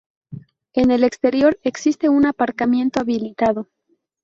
En el exterior existe un aparcamiento habilitado.